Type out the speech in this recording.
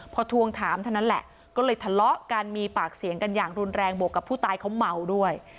พอทวงถามเท่านั้นแหละก็เลยทะเลาะกันมีปากเสียงกันอย่างรุนแรงบวกกับผู้ตายเขาเมาด้วย